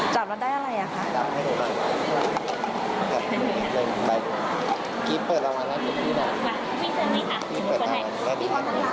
จับแล้วได้อะไร